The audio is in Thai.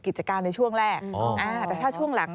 กิจการในช่วงแรกแต่ถ้าช่วงหลัง